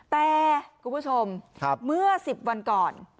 แต่คุณผู้ชมเมื่อ๑๐วันก่อน